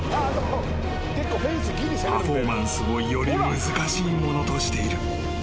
［パフォーマンスをより難しいものとしている］